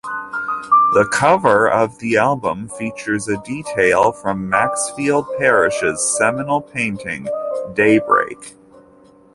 The cover of the album features a detail from Maxfield Parrish's seminal painting "Daybreak".